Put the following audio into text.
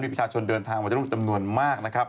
ประชาชนเดินทางมาจะร่วมจำนวนมากนะครับ